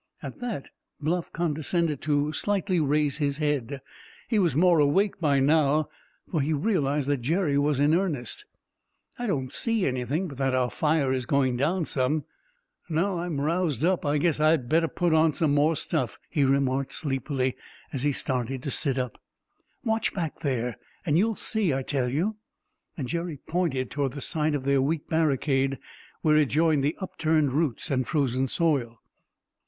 At that, Bluff condescended to slightly raise his head. He was more awake by now, for he realized that Jerry was in earnest. "I don't see anything but that our fire is going down some. Now I'm roused up, I guess I'd better put on more stuff," he remarked sleepily, as he started to sit up. "Watch back there and you'll see, I tell you!" And Jerry pointed toward the side of their weak barricade, where it joined the upturned roots and frozen soil.